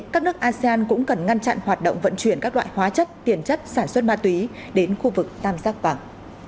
các nước asean cũng cần ngăn chặn hoạt động vận chuyển các loại hóa chất tiền chất sản xuất ma túy đến khu vực tam giác vàng